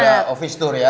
udah ofis tour ya